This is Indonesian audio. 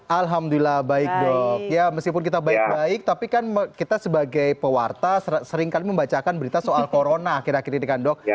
alhamdulillah baik dok ya meskipun kita baik baik tapi kan kita sebagai pewarta seringkali membacakan berita soal corona kira kira ini kan dok